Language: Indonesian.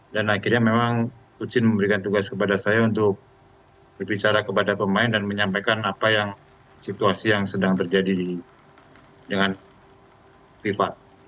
dan akhirnya memang u dua puluh memberikan tugas kepada saya untuk berbicara kepada pemain dan menyampaikan apa yang situasi yang sedang terjadi dengan fifa